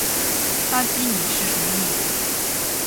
哈基米是什么意思？